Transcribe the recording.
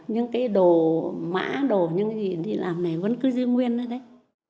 những cái đồ mã đồ những cái gì đi làm này vẫn cứ giữ nguyên đó đấy